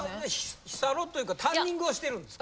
日サロというかタンニングをしてるんですか？